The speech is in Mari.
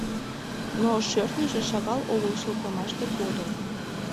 Но шӧртньыжӧ шагал огыл шылтымаште кодын.